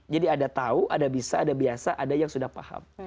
jadi ada tahu ada bisa ada biasa ada yang sudah paham